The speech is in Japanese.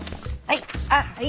はい。